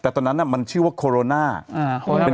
ช่วงนี้เรายังแบบ